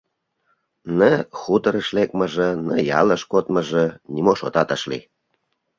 Ны хуторыш лекмыже, ны ялеш кодмыжо — нимо шотат ыш лий.